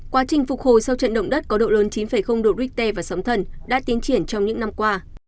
quá trình phục hồi sau trận động đất có độ lớn chín độ richter và sóng thần đã tiến triển trong những năm qua